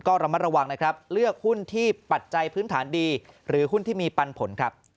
ก็ระมัดระวังนะครับเลือกหุ้นที่ปัจจัยพื้นฐานดีหรือหุ้นที่มีปันผลครับ